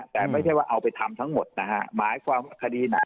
แต่ไม่ใช่ว่าเอาไปทำทั้งหมดนะฮะหมายความคดีไหน